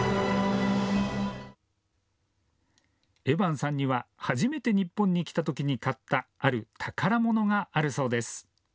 エバンさんには初めて日本に来たときに買ったある宝物があるそうです。